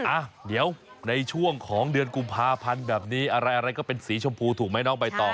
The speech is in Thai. อ่ะเดี๋ยวในช่วงของเดือนกุมภาพันธ์แบบนี้อะไรก็เป็นสีชมพูถูกไหมน้องใบตอง